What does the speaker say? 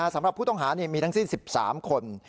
สำหรับผู้ต้องหามีทั้งสิ้น๑๓คน